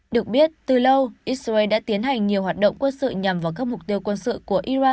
được biết từ lâu israel đã tiến hành nhiều hoạt động quân sự nhằm vào các mục tiêu quân sự của iran